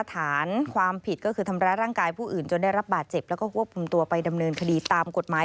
ฐานความผิดก็คือทำร้ายร่างกายผู้อื่นจนได้รับบาดเจ็บแล้วก็ควบคุมตัวไปดำเนินคดีตามกฎหมาย